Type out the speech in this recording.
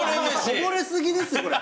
こぼれ過ぎですよこれ。